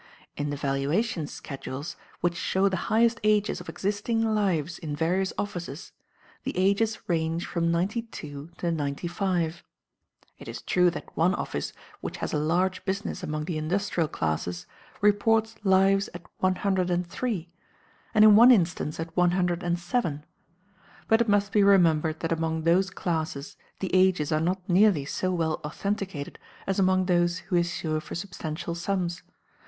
In the valuation schedules, which show the highest ages of existing lives in various offices, the ages range from ninety two to ninety five. It is true that one office which has a large business among the industrial classes reports lives at one hundred and three, and in one instance at one hundred and seven; but it must be remembered that among those classes the ages are not nearly so well authenticated as among those who assure for substantial sums.